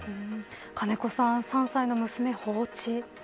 金子さん、３歳の娘を放置。